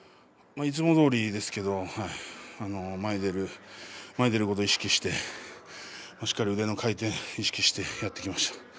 いつもどおりですけど前に出ることを意識してしっかり腕の回転を意識してやっていきました。